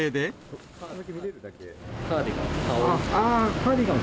カーディガン。